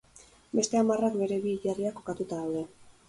Beste hamarrak bere bi hilerriak kokatuta daude.